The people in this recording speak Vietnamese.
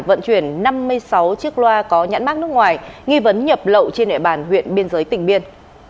vận chuyển năm mươi sáu chiếc loa có nhãn mát nước ngoài nghi vấn nhập lậu trên địa bàn huyện biên giới tỉnh biên